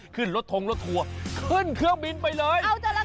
ขึ้นรถทงรถทัวร์ขึ้นเครื่องบินไปเลย